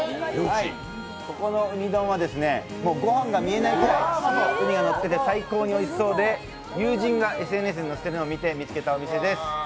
ここのウニ丼はご飯が見えないくらいウニがのっていて最高においしそうで、友人がＳＮＳに載せてるのを見て見つけたお店です。